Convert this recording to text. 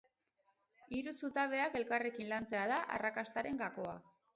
Hiru zutabeak elkarrekin lantzea da arrakastaren gakoa.